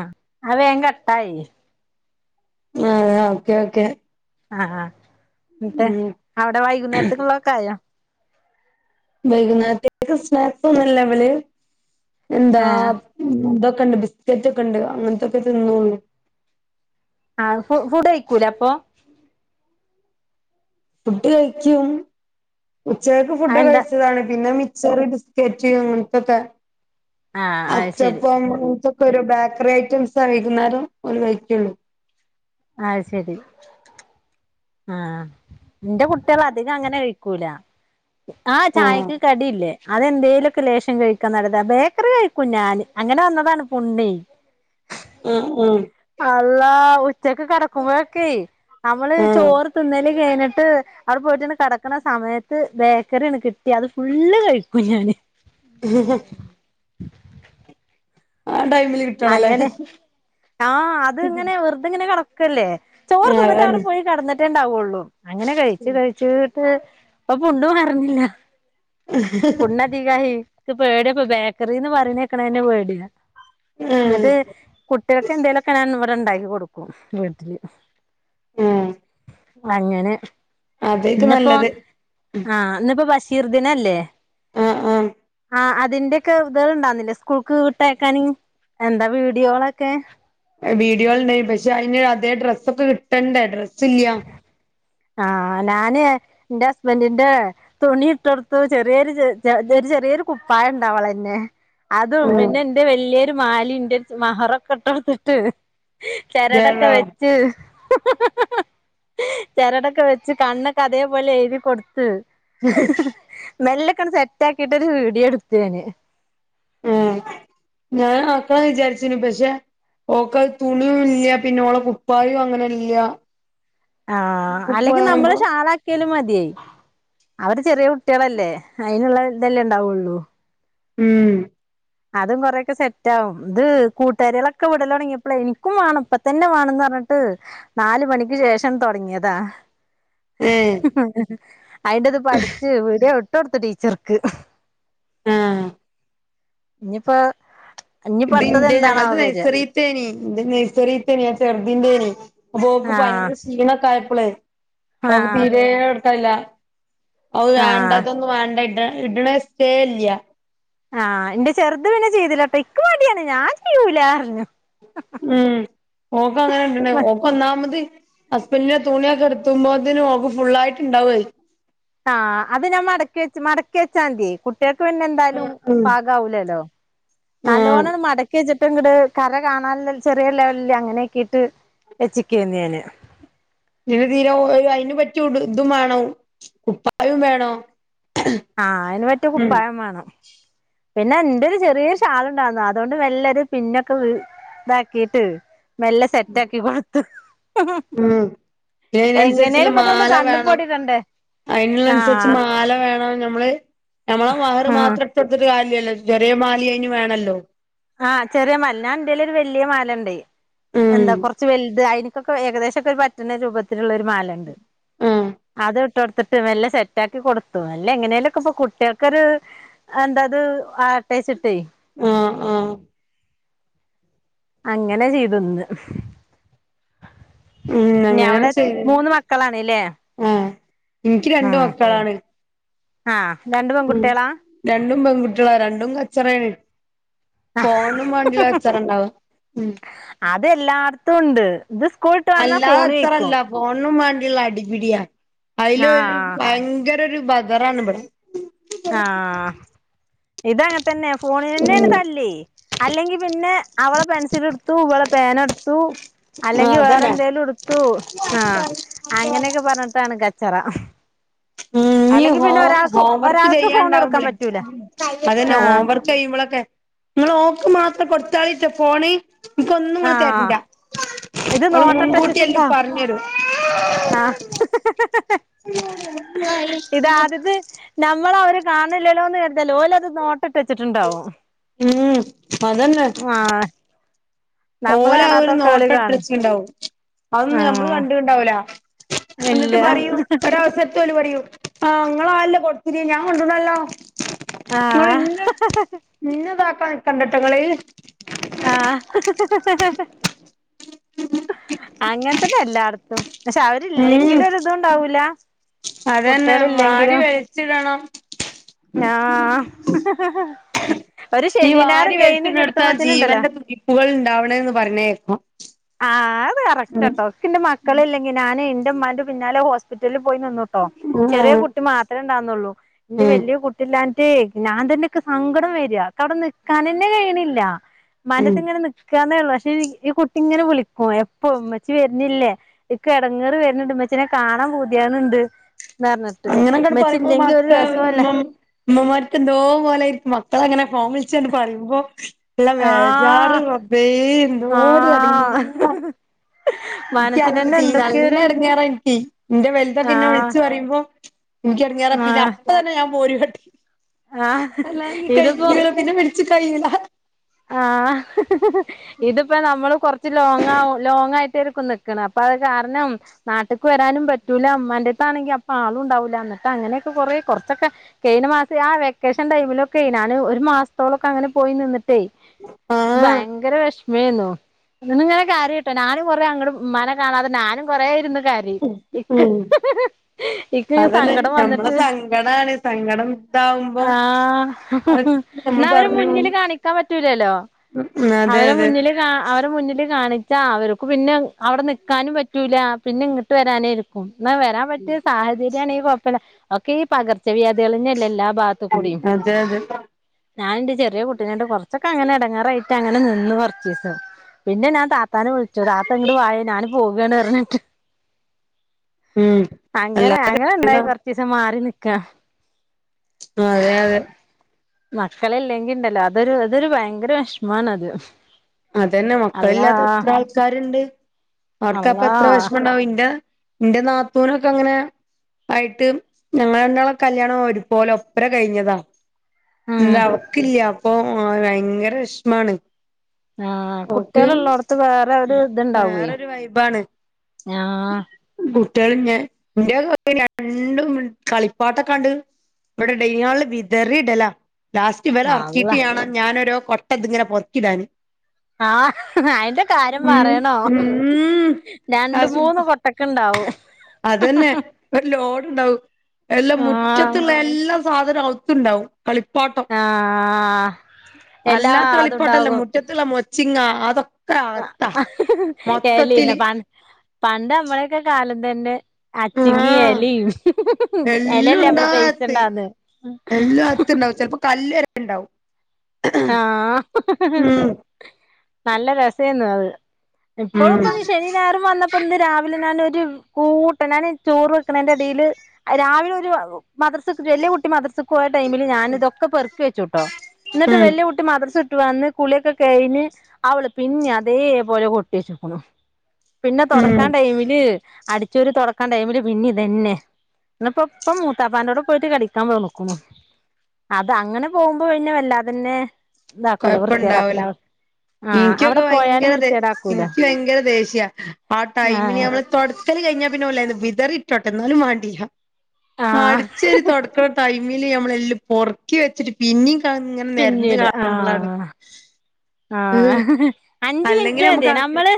ആ അത് വേഗം കട്ടായി. ആഹ് ആഹ് ഓക്കേ ഓക്കെ ആഹ് ഇന്നട്ട് ഉം അവിടെ വൈകുന്നേരത്തേക്കുള്ളൊക്കെ ആയോ വൈകുന്നാരേക്ക് സ്നാക്സ് ഒന്നുംല്ല അവല് എന്താ ആഹ് ഇതൊക്കെ ഉണ്ട്, ബിസ്ക്കറ്റൊക്കെ ഉണ്ട് അങ്ങനത്തൊക്കെ തിന്നോള്ളു. ആ ഫുഡ് കഴിക്കൂലെ അപ്പൊ ഫുഡ് കഴിക്കും. ഉച്ചയ്ക്ക് ഫുഡ് അതെന്താ കഴിച്ചതാണ് പിന്നെ മിച്ചർ ആഹ് അത് ശരി ആച്ചപ്പം അങ്ങനെത്തെ ഒക്കെ ഇപ്പ ഒരു ബേക്കറി ഐറ്റംസാ വൈകുന്നേരം ഓള് കഴിക്കോള്ളു. ആ ശരി ആഹ് എന്റെ കുട്ടികൾ അധികം അങ്ങനെ കഴിക്കൂല ആഹ് ചായക്ക് കടിയില്ലേ അതെന്തേലൊക്കെ ലേഷം കഴിക്കാ നല്ലത്, ബേക്കറി കഴിക്കും ഞാൻ അങ്ങനെ വന്നതാണ് പുണ്ണ് അഹ്‌ ആഹ് അള്ളാ ഉച്ചയ്ക്ക് കിടക്കുമ്പോഴൊക്കെ നമ്മള്ള് ആഹ് ചോറ് തിന്നല് കഴിഞ്ഞിട്ട് അവിടെ പോയിട്ടെന്ന് കിടക്കണ സമയത്ത് ബേക്കറിന് കിട്ടിയ അത് ഫുള്ള് കഴിക്കും ഞാന് ഉ ഹ് ആ ടൈമില് കിട്ടണല്ലേ അങ്ങനെ ആ അത് ഇങ്ങനെ വെറുത ഇങ്ങനെ കടക്കല്ലേ ചോർ ആഹ് തിന്നിട്ട് അങ്ങട്ട് അതന്നെ പോയി കടന്നിട്ടേണ്ടാവയുള്ളൂ. അങ്ങനെ കഴിച്ച് കഴിച്ച് ചീട്ട് ഇപ്പ [unintelligible] അറങ്ങില്ല പിന്നെ [unintelligible] ക്ക് പേടിയാപ്പൊ. ബേക്കറിന്ന് പറീണേക്ക്ണന്നെ പേടിയാ. ആഹ് എന്നിട്ട് കുട്ടികൾക്കെ എന്തേലുംക്കെ ഞൻ ഇവിടെ ഉണ്ടാക്കി കൊടുക്കും വീട്ടില് ഉം. അങ്ങനെ, അതേക്കും ഇന്നിപ്പോ നല്ലത് ഉം ആഹ് ഇന്നിപ്പോ ബഷീർ ദിനല്ലേ അഹ്‌ ആഹ് ആഹ് അതിന്റെയൊക്കെ ഇതകളുണ്ടായ്നിലെ സ്കൂൾക്ക് വീട്ടയക്കാൻ എന്താ വീഡിയോകളൊക്കെ. വീഡിയോല് ഇണ്ടായി പക്ഷെ അതിന് അതേ ഡ്രസ്സ ഒക്കെ കിട്ടണ്ടേ ഡ്രസ്സ്ല്ല ആഹ ഞാന് എറെ ഹസ്ബൻറിന്റെ തുണി ഇട്ടെടുത്തു ചെറിയൊരു ഒരു ചെറിയൊരു കുപ്പായം ഉണ്ടാകും അവളന്നെ അതും ഉം പിന്നെ എന്റെ വല്യരു മാലിംണ്ട് മഹറൊക്കെ ഇട്ടൊട്ത്തിട്ട്. ചരടൊക്കെ വെച്ച് [unintelligible] ചെരടൊക്കെ വെച്ച് കണ്ണൊക്കെ അതേപോലെ എഴുതി കൊടുത്ത് മെല്ലൊക്കെ സെറ്റ് ആക്കിട്ടൊരു വീഡിയോ എടുത്ത് ഞാൻ ആ ഞാൻ അപ്പോ വിചാരിച്ചുന്ന് പക്ഷേ ഓക്കത് തുണിയും ഇല്ല പിന്നെ ഓളെ കുപ്പായും അങ്ങനെ ഇല്ല ആഹ് അല്ലെങ്കിൽ നമ്മൾ കുപ്പായുണ്ടോ ഷാളാ- ലും മതി അവര് ചെറിയ കുട്ടികളല്ലേ അതിനുള്ള ഇതല്ലെ ഉണ്ടാവുള്ളൂ ഉം അതും കുറയൊക്കെ സെറ്റാകും. ഇത് കൂട്ടുകാരികളൊക്കെ വിടൽ തുടങ്ങിയപ്പോളെയ് നിക്കും വേണം പ്പൊ ഇതന്നെ വേണംന്ന് പറഞ്ഞിട്ട് നാൽ മണിക്ക് ശേഷം തുടങ്ങിയതാ ഏ അയിന്റെ ഇത് പഠിച്ചു വിഡിയോ വിട്ടൊട്ത്ത് ടീച്ചർക്ക്. ആഹ് ഇനിയിപ്പോ ഇനി അടുത്തത് എന്താണവോ വര തേനി നൈസറിത്തേനി ചെറുദീന്റെ അയിന്നു അപ്പൊക്ക് പനി ആഹ് ക്ഷീണക്കായപ്പോളെ അവക്ക് ആഹ് തീരെ ഇഷ്ടല്ല്യ അവ ആഹ് വേണ്ടതൊന്നും വേണ്ട ഇട്ണ ക്കേ ഇല്ല്യ ആഹ് ന്റെ ചെറുത് പിന്നെ ചെയ്തിലട്ടോ ഇക്ക് മടിയാണ് ഞാൻ ചെയ്യൂലാർഞ്ഞു ഉം ഓക്ക അങ്ങനെ ഇട്ണെ ഓക്ക ഒന്നാമതി ഹസ്ബൻഡിൻ്റെ തുണിയൊക്കെ എടുത്തുമ്പോത്തിന് ഓള് ക്ക് ഫുൾ ആയിട്ടുണ്ടാവൊത്. ആഹ് അത് ഞാൻ മടക്കി വെച്ച്. മടക്കി വെച്ചാതിയേ കുട്ടിയാക്ക് പിന്നെ എന്തായാലും പാകാവുലല്ലോ ആഹ് നല്ലോണ്ണം മടക്കി വെച്ചിട്ട ങ്ങിട് കര കാണാൻ ചെറിയ ലെവലില് അങ്ങനെക്കീട്ട് ഉച്ചക്ക് വന്നിനോ [unintelligible] തീരെ തീരെ അയിനു പറ്റി ഇതും വേണോം കുപ്പായോം വേണോം. ആഹ് അതിന് പറ്റിയ കുപ്പായം വേണം. പിന്നെ എൻ്റൊരു ചെറിയ ഷാളുണ്ടായിരുന്നു. അതോണ്ട് വെല്ലെരു പിന്നൊക്കെ ഇ താക്കിട്ട് മെല്ല സെറ്റ് ആക്കി കൊടുത്തു ഉം അതിനനുസരിച്ചുള്ള എങ്ങനെലും ഇപ്പ ഇതൊന്ന് മാല വേണം. കണ്ണിപ്പൊടിടണ്ടേ അതിനനുസരിച്ച് ആഹ് മാല വേണം നമ്മള് ഞമ്മള മഹറ് ആഹ് മാത്രം ഇട്ടോടുത്തിട്ട് കാര്യല്ല്യല്ലോ. ചെറിയ മാലി അയിന് വേണല്ലോ. ആഹ് ചെറിയ മാല ഞാൻ ഇന്റെലൊരു വലിയ മാല ഉണ്ട് ഉം എന്താ കുറ- ച്ച് വെൽത്. അയിനിക്കൊക്കെ ഏകദേശൊക്കെ പറ്റണ രൂപത്തിലുള്ള ഒരു മാലണ്ട് ആഹ് അത് ട്ടോട്ത്തിട്ട് വെല്ലെ സെറ്റാക്കി കൊട്ത്ത്. അല്ല എങ്ങനേലും ഒക്കെ ഇപ്പൊ കുട്ടികയാക്കൊരു എന്താത് ആട്ടേച്ചിട്ടെയ് ആഹ് ആഹ് അങ്ങനെ ചെയ്ത് ഒന്ന് ഉം വിടെ മൂന്ന് മക്കളാണല്ലേ യേ ഇൻക്ക് രണ്ട് മക്കളാണ്. ആഹ് രണ്ട് ഉം പെൺകുട്ടികളാ രണ്ടും പെൺകുട്ടികളാ രണ്ടും കച്ചറേണ് ഫോണിനും മാണ്ടിള്ള കച്ചാറണ്ടാവും അതെല്ലാടിത്തും ഉണ്ട് ഇത് സ്കൂൾ വിട്ട് വന്നാ അല്ലാതെ ഫോൺ ചോദിക്കും കച്ചറല്ല ഫോണിനും വേണ്ടിയുള്ള അടിപിടിയാ, അയിൽ ഒ രു ആഹ് ഭയങ്കര ഒരു ബദറാണ് ഇവിടെ ആഹ് ഇതങ്ങനതന്നെ ഫോണിന് ഉം തന്നെയാണ് തല്ല് അല്ലെങ്കിൽ പിന്നെ അവളെ പെൻസിൽ ഇട്ത്തു വളെ പേന ഇട്ത്തു. ആഹ് അല്ലെങ്കിൽ വേറെ അതന്നെ എന്തേങ്കലും എടുത്തു ആ അങ്ങനെയൊക്കെ പറഞ്ഞിട്ടാണ് കച്ച ചറ [unintelligible] ഉം ഇനി ഹോം ഹോംവർക്ക് ഒരാൾക്ക് ഫോൺ കൊടുക്കാൻ ചെയ്യാണ്ടാവുമ്പോളെ പറ്റൂല അതന്നെ ആഹ് ഹോംവർക്ക് കഴിയുമ്പോളൊക്കെ ഇങ്ങള് ഓക്ക് മാത്രം കൊടുത്താളിട്ടാ ഫോണ്. എനിക്ക് ഒന്നും ഇങ്ങള് ആഹ് തരണ്ടാ ഇത് ഓള് മുൻകൂട്ടി എല്ലാം നോട്ടട്ടച്ചിട്ടുണ്ടോ പറഞ്ഞു തരും ഹ്ഹ്ഹ് ഇതാദ്യത് നമ്മള് അവര് കാണില്ലല്ലോന്ന് കരുതല്ലോ ഓൽ അത് നോട്ട- ഇട്ത്ത്വെച്ചിട്ടുണ്ടാവും ഉം ആഹ ഓല അവ ഒരു നോട്ട ഓല് കാണും ഇട്ടെച്ചിണ്ടാവും അതൊന്നും ഞമ്മള് ആഹ് കണ്ടുണ്ടാവൂല ഇന്നിട്ട് ഇല്ല പറയും ഒരാവസര ന്നട്ട് ഓല് പറയും ആഹ് ങ്ങളല്ലെ കൊട്ത്ത്ണ് ഞാൻ കണ്ട്ണല്ലോ നിങ്ങൾ ആഹ് എന്നെ എന്നെ ഇതാക്കാൻ നിക്കണ്ടട്ട നിങ്ങള് ആ ഹ ഹ അങ്ങന തന്നെ എല്ലായിടത്തും പക്ഷെ ഉം അവരില്ലെങ്കിലും ഒരി ഇതുംണ്ടാവൂല അതന്നെ, വാരി വലിച്ചിടണം ആ ഒരു ഈ ശനി ഞായറും കൈഞ് കിട്ടുമ്പോത്തിനുണ്ടല്ലോ മുകൾ ഉണ്ടാവണന്ന് പറഞ്ഞയക്കും. ആഹ് കറക്ട്ടോക്കെന്റെ മക്കള ഇല്ലെങ്കി ഞാന് എൻന്റെറെ ഉ്മാന്റെ പിന്നാലെ ഹോസ്പിറ്റലിൽ പോയി നിന്നു ഓ ഉം ചെറിയ ആഹ് കുട്ടി മാത്ര ഉണ്ടാർന്നുള്ളൂ ന്റെ ഉം വെല്യേ കുട്ടി ഇല്ലാഞ്ഞിട്ടേയ് ന്നാൻ തന്നെക്ക് സങ്കടം വെര. ക്ക് അവിടെ നിൽക്കാനെന്നെ കയ്യ്ണില്ല. ഉം മ്മാന്റേത് ഇങ്ങനെ നിക്കാന്നെള്ളൂ പക്ഷെ ഈ കുട്ടി ഇങ്ങനെ വിളിക്കും എപ്പഴും മ്മച്ചി വരുന്നില്ലേ? ഇക്ക് എടങ്ങേറ് വരുന്ന്ണ്ട് മ്മച്ചിനെ കാണാൻ പൂതിയാവ്ണ് ണ്ട് ന്ന് പറഞ്ഞിട്ട് അങ്ങനെങ്ങട് ഇമ്മച്ചി പറയുമ്പോ ഇല്ലെങ്കി ഒരു മക്ക രസോല്ല മ്മമാർക്ക് എന്തോ പോലെയായിരിക്കും മക്കള് അങ്ങനെ ഫോണ് വിളിച്ചണ്ട് പറയുമ്പോ ള്ള വേജാറ് ആഹ് റബ്ബേ എന്തോര് ആഹ് എടങ്ങേറാ നിക്ക് ല്ല മനസ്സിനെന്നെ ടീ നല്ല എന്തൊക്കെയൊരു എടങ്ങേറായീനി ടീ ന്റെ വലുതൊക്കെ ഇന്നെ ആഹ് വിളിച്ച് പറയുമ്പോ എനിക്ക് എടങ്ങേറാ, പിന്നെ ആഹ് അപ്പ തന്നെ ഞാൻ പോര് കാട്ടി ആഹ് അല്ലാ ഇതിപ്പോ കയ്യൂല പിന്നെ- ഇച്ച് കയ്യുല്ലാഹ് ആഹ് ഇതിപ്പോ നമ്മള് കുറച്ച് ലോങ് ആവും ലോങ്ങ ആയിട്ടേയ്രിക്കുന്നു നിക്കാണ് അപ്പൊ അത് കാരണം നാട്ട്ക്ക് വരാനും പറ്റൂല ഇമ്മാന്റെത്താണെങ്കില് അപ്പൊ ആളും ഉണ്ടാവൂ. എന്നിട്ട് അങ്ങനെയൊക്കെ കൊറേ കുറച്ചൊക്കെ കഴിഞ്ഞ മാസം ആ വെക്കേഷൻ ടൈമിലൊക്കെ ഞാന് ഒരു മാസത്തോളൊക്കെ അങ്ങനെ പോയി നിന്നിട്ട് ദേയ് ആഹ് ഭയങ്കര വെഷ് വീന്നോ? നിന്ന് ഇങ്ങനെ കാര്യട്ടോ ഞാനും കൊറേ അങ്ങട് മ്മാനെ കാണാതെ ഞാനും കൊറേ ഇരുന്ന് കാര്യയും രി ഇക്ക് ഉം ഇഹ് ഹ് ഇക്ക് അതന്നെ സങ്കടം ഞമ്മളെ വന്നിട്ട്, സങ്കടാണ് സങ്കടം ഇതാവുമ്പോ ആഹ് അത് [unintelligible] നമ്മൾ ന്നാ അവര് പറഞ്ഞു മുന്നില് കാണിക്കാൻ പറ്റൂലല്ലോ അതെ അവരെ അതെ മുന്നിൽ രാ അവരെ മുന്നില് കാണിച്ചാ അവർക്കു പിന്നെ അവിടെ നിക്കാനും പറ്റൂല പിന്നെ ഇങ്ങോട്ട് വരാനേ എന്ന വരാൻ പറ്റിയ സാഹചര്യമാണെങ്കിൽ കൊഴപ്പമില്ല, ഒക്കെ ഈ പകർച്ചവ്യാധികളളെന്നെല്ലേ എല്ലാ ഭാഗത്തും. കുടിയും അതെ അതെ ഞാനന്റെ ചെറിയ കുട്ടി- കുറച്ചൊക്കെ അങ്ങനെ എടങ്ങാറായിട്ട് അങ്ങനെ നിന്ന് കൊർച്ചീസം പിന്നെ ഞാന് താ താതാനെ വിളിച്ചോ താത്ത ഇങ്ങട് വായോ ഞാന് പോകാണ് പറഞ്ഞിട്ട് ഉം അങ്ങനെ അല്ലാതെ അങ്ങനെ ഉണ്ടായി കൊറച്ച് ദിവസം മാറി നിക്കാ ആഹ് അതെ അതെ മക്കളില്ലെങ്കി ഇണ്ടാല്ലോ അതൊരു അതൊരു ഭയങ്കര വിഷമാമാണ് അത് അതന്നെ മക്കളില്ലാത്ത അള്ളാ എത്ര ആൾക്കാരുണ്ട് അള്ളാ അവർക്കപ്പം എത്ര വെഷ്മണ്ടാവും ഇന്റെ ന്റെ നാത്തൂനൊക്കെ അങ്ങനെ ആയിട്ടും ഞങ്ങള്ളെ രണ്ടാളെ കല്യാണം ഒരുപോലെ ഒപ്പരം കഴിഞ്ഞതാ ഉം എന്താ അവക്കില്ലെ അപ്പൊ ഭയങ്കര വിഷമാണ്. ആഹ് ഓക്ക് കുട്ടികള് ഇള്ളോടത്ത് വേറെ ഒര് ഇത്ണ്ടാവുവെ വേറൊരു വൈബാണ് ആഹ് - കുട്ടികൾ ന്നെ എന്റെ കൊയ്പല്ല രണ്ടും കളിപ്പാട്ടൊക്കണ്ട് ഇവിടെ ഡൈനിംഗ് ഹാളില് വിതറിടല ലാസ്റ്റ് ഇവലെ അള്ളാ അറക്കീട്ട് യാണ് ഞാനൊരു കൊട്ടതിങ്ങനെ പൊറ്ക്കി ഇടാന് ആഹ് അയിന്റെ കാര്യം പറയണോ? രണ്ട് മൂന്ന്- ഉം കൊട്ടക്ക്ണ്ടാവും അതന്നെ ഒരു ലോഡുണ്ടാവും എല്ലാ ആ മുറ്റത്തുള്ള എല്ലാ സാധനും അവുത്തുണ്ടാവും കളിപ്പാട്ടം. ആ അല്ലാത്ത കളിപ്പാട്ടംല്ല എല്ലാതുണ്ടാകും മുറ്റത്തുള്ള മൊത്ത ചിങ്ങ അതൊക്കെ അകത്താ മൊത്തത്തില് കൻ പണ്ട് നമ്മളൊക്കെ കാലത്തേൻ്റെ അച്ചിങ്ങീം ആഹ് എലീം [unintelligible] എലല്ലേ നമ്മള് പെയ്സ്റ്റ്ണ്ടന്ന്. നല്ല ഒച്ചണ്ടാവും ചിലപ്പോ കല്ല് വരെ ഉണ്ടാവും ആ ആഹ് ഉം നല്ല രസേന്നു അത് ഉം ഇപ്പളും ഇപ്പ ശനീം ഞായറും വന്നപ്പോ ഇന്ന് രാവിലെ ഞാനൊരു കൂട്ടാൻ ഞാൻ ചോറ് വെക്ക്ണെന്റെ എടീല് - രാവിലെ ഒരു മദർസ്ക്ക് വല്യ കുട്ടി മദർസ്ക്ക് പോയ ടൈമില് ഞാന് ഇതൊക്കെ പെർക്കി വെച്ചൂട്ടോ ഉം വല്യ കുട്ടി മദ്രസ്ക് ഇട്ടും വന്ന് കുളിയൊക്കെ കഴിഞ്ഞ് അവള് പിന്നെ അതേപോലെ കൊട്ടി വെച്ചുക്കുണു പിന്നെ ഉം തൊടക്കാൻ ടൈമില് അടിച്ചൂവാരി തൊടക്കാൻ ടൈമില് പിന്നിം ഇതന്നെ ഇന്നപ്പൊ ഇപ്പമം മൂത്താപ്പാൻന്റോടെ പോയിട്ട് കടിക്കാൻ പോന്നുക്കുണു അത് അങ്ങനെ പോകുമ്പോ പിന്നെ വല്ലാതെന്നെ ഇതാക്കൂല കൊഴപ്പണ്ടാവൂല വൃത്തികേടാക്കൂല. ഇൻക്കൊക്കെ ഭയങ്കര എനിക്ക് ഭയങ്കര ദേഷ്യ ആ ടൈമിന് നമ്മള് തൊടക്കല് കഴിഞ്ഞാ പിന്നെ ഓലയ്ന്ന് വിതറി ഇട്ടോട്ടെ എന്നാലും വാണ്ടില്ല ആ അടിച്ചാരി തൊട് ടൈമില് നമ്മളെല്ലും പൊർക്കി വെച്ചിട്ട് പിന്നിം കാണ ഇങനെ ആഹ് ആ ആഹ് അഞ്ച് അല്ലെങ്കിൽ മിനിറ്റ് മതി നമുക്ക് നമ്മള്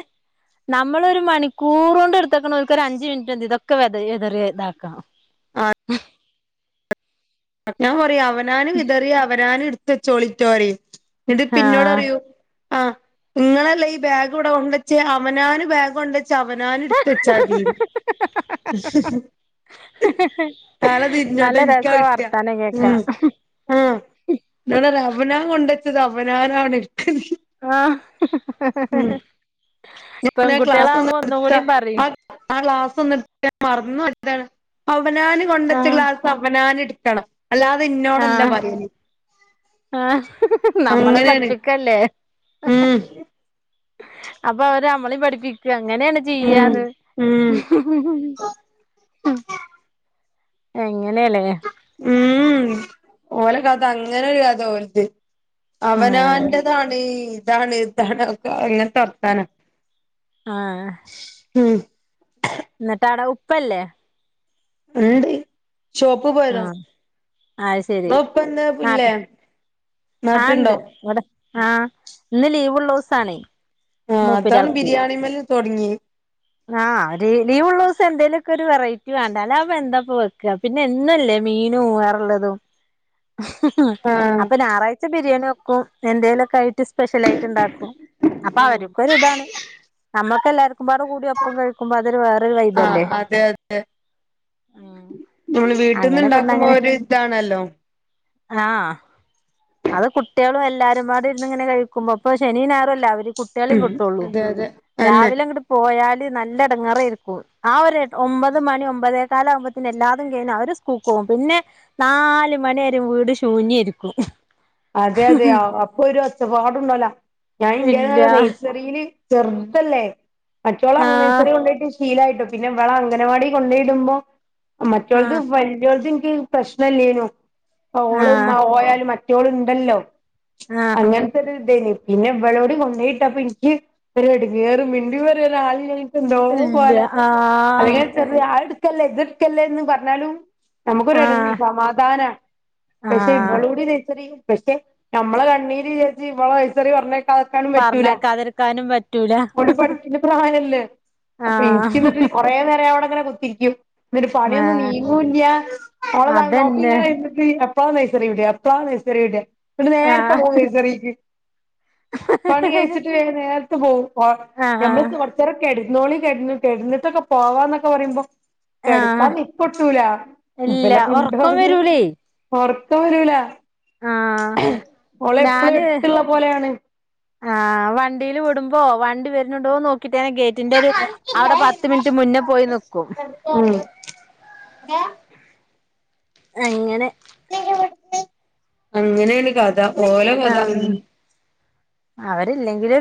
നമ്മളൊരു മണിക്കൂർ കൊണ്ട് ഇടുതേക്ക്ണ ഓല്ക്കൊരു അഞ്ച്മിൻറ്റ്മതി ഇതൊക്കെ വെതറി എതറി ഇതാക്കാം ആ ഞാൻ പറയും, അവനാന് വിതറിയ അവനാന് ഇട്ത്തെച്ചോളിട്ടൂന്ന്‌ പറയും ഇതിപ് ന്നോട് ആഹ് റയൂ ആഹ് ഇങ്ങളല്ലേ ഈ ബാഗ് ഇവിടെ കൊണ്ടച്ചേ അവനാന് ബാഗ് കൊണ്ട് ചവനാന് എടുത്തച്ചാതീന്ന് തല തിരിഞ്ഞാട്ടോ ഇൻക്കാ കി - താനേ കേക്ക ആഹ് ഇന്നോടറയാ അവനാ കൊണ്ടെച്ചത് അവനാനാണ് ഇട്ക്കല് ആ ഉം ആ ക്ലാസ് ഒന്ന് പെൺകുട്ടികളാകുമ്പോ എടുത്ത ഒന്നുംകൂടിം പറിം ആ ആ ഗ്ലാസ് ഒന്ന് ട്ത്തെ മറന്നോയി അതാണ്, അവനാന് കൊണ്ടച്ച ആഹ് ഗ്ലാസ് അവനാന് ഇട്ക്കണം അല്ലാതെ ഇന്നോടല്ല ആഹ് പറയല് ആഹ് [unintelligible] നമ്മളെ അങ്ങനെയാണ് പഠിപ്പിക്കല്ലേ ഉം അപ്പൊ അവര് നമ്മളിം പഠിപ്പിക്ക അങ്ങനെയാണ് ഉം ചെയ്യാന്ന് ഉം എങ്ങനെയല്ലേ ഉം ഓലെ കഥ അങ്ങനെ ഒരു കഥ ഓലത് ആഹ് അവനൻ്റതാണ് ഇതാണ് ഇതാണ് ഇങ്ങൻത്തെ വർത്താനം ഉം ന്നിട്ടാട ഉപ്പല്ലേ ണ്ട് ഷോപ്പ് പോയതാ ആഹ് അത് ഓപ്പ്ന്താപ്പില്ലേ ആണ്ട് ഇവിടെ ആഹ ഇന്ന് ലീവ്ള്ള ദിവസാണേ ആഹ് അതാണ് മൂപ്പരാൾക്ക് ബിരിയാണിമ്മല് തുടങ്ങിയെ ആഹ് ഒരു ലീവുള്ളീസം എന്തേലുമൊക്കെ ഒരു വെറൈറ്റി വേണ്ട? അല്ലാതപ്പൊ എന്താപ്പ വെക്കാ പിന്നെ എന്നല്ലേ മീനും വേറെള്ളതും ആഹ് ആ അപ്പൊ ഞായറാഴ്ച ബിരിയാണി വെക്കും. എന്തേലുമൊക്കെ ആയിട്ട് സ്പെഷ്യൽ ആയിട്ട് ഉണ്ടാക്കും. അപ്പൊ ആ അവർക്കൊ ഒരു ഇതാണ് നമ്മക്ക് എല്ലാർക്കുംപാട കൂടി ഒപ്പം കഴിക്കുമ്പോ അതൊരു വേറൊരു ആഹ് വൈബല്ലേ അതെ അതെ നമ്മള് വീട്ടിൽന്ന് അങ്ങനെപ്പന്ന ഇണ്ടാക്കുമ്പോ ഒരു ഇതാണല്ലോ ആഹ് അത് കുട്ടികളും എല്ലാരുംപാടി ഇരുന്ന് ഇങ്ങനെ കഴിക്കുമ്പോ പ്പൊ ശനീം ഞായറുംല്ലേ അവര്- കുട്ടികളിം ഉം കിട്ടൊള്ളൂ അതെ അതെ അന്നെ രാവിലെ അങ്ങട്ട് പോയാൽ കു തി നല്ലെടങ്ങേറായിരിക്കും ആ ഒരു എ ഒമ്പത് മണി ഒമ്പതേക്കാലാവുമ്പത്തിന് എല്ലാതും കഴിഞ്ഞ് അവര് കൂക്കോവും പിന്നെ നാല് മണിവരേം വീട് ശൂന്യായിരിക്കും അതെ അതെയ അപ്പൊ ഒരു ഒച്ചപ്പാടുണ്ടല്ലവുല്ല ഞാൻ ഇല്ല ഇന്റെതായാരു രിൽസ് ബീലി ചെറുതല്ലേ മറ്റോളെ അങ്ങനെ ആഹ് നയ്സറീല് കൊണ്ടോയിട്ട് ശീലായിട്ടൊ പിന്നെ ഇവളെ അംഗനവാടി കൊണ്ടെടുമ്പോ മറ്റോളത് ആഹ് വല്ല്യോലത് ഇൻനിക്ക്- പ്രശ്നല്ലേനു, ഓള് ആഹ് പോയാലും മറ്റോള്ണ്ടല്ലോ ആഹ് അങ്ങനെ ക്ക് ഇതേയ്‌നു പിന്നെ ഇവളോട് കൊണ്ടയിട്ട അപ്പൊ എനിക്ക് ഒരുഎടങ്ങേറ് മിണ്ടി പറയാൻ ഒരാളി- എന്തോ ഇല്ല പോലെ ആഹ് അല്ലെങ്കി ചെറിയ അ ത് എട്ക്കല്ലേ ഇതെട്ക്കല്ലേന്ന് പറഞ്ഞാലും നമ്മക്കൊരു എട് ആഹ് സമാധാന പക്ഷെ ആഹ് ഇവളൂടി നെയ്സറിയും പക്ഷെ നമ്മളെ കണ്ണീര് വിചാരിച്ച് ഇവളെ നേഴ്സറി പറഞ്ഞക്കാ തളർത്താനും പറ്റൂല പറഞ്ഞേക്കാതിരിക്കാനും പറ്റൂല ഓല് പഠിക്ക്ണ പ്രായല്ലേ? അപ്പൊ ആഹ് ഇൻക്കിന്നട്ട് കുറേ നേരം അവിടെ അങ്ങനെ കുത്തിരിക്കും ഒരു പണിയൊന്നും ആഹ് നീങ്ങൂല്ല ഓളെ വായ് നോക്കി അതന്നെ ഇങ്ങനെ അപ്പാ നൈസറിവിടാ അപ്പളാ നൈസറിയവിടെ? ഇന്നട്ട് നേര്ത്തെ ആഹ് പോവും നഴ്സറീക്ക്. പണി കഴിച്ചിട്ട് വേഗം നേര്ത്തെ പോവും ഓ ആഹ് ഞമ്മള്ട്ത് കോർച്ചേരം കെടുന്നോളി കെട്ന്ന് കെട്ന്ന്ട്ടൊക്ക പോവാന്നൊക്ക പറയുമ്പോ കെടക്കാ ആഹ് നിപ്പട്ടൂല ഇവ ഇല്ല ഒറക്കം വരൂലേ [unintelligible] ഒർക്കം വരൂല ആഹ് ഓളെപ്പെളും ഞാന് എട്ത്ത്ള്ള പോലെയാണ് ആഹ് വണ്ടില് വിടുമ്പോ വണ്ടി വരുണുണ്ടോന്ന് നോക്കിട്ട് ഞാൻ ആ ഗെ [unintelligible] ഒരു ആടെ പത്ത് മിനിറ്റ് മുന്നെ പോയി നിക്കും ഉം അങ്ങനെ അങ്ങനേ ണ് കഥ ഓലെ കഥ ആഹ് അങ്ങനെ അവരില്ലെങ്കിലെ